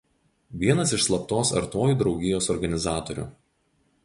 Vienas iš slaptos „Artojų draugijos“ organizatorių.